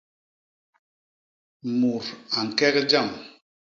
Mut a ñkek jam.